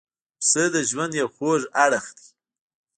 پسه د ژوند یو خوږ اړخ دی.